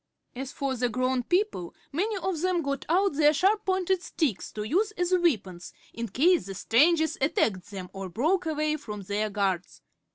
As for the grown people, many of them got out their sharp pointed sticks to use as weapons in case the strangers attacked them or broke away from their guards.